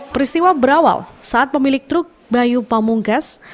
peristiwa berawal saat pemilik truk bayu pamungkas